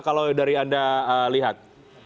kalau dari anda lihat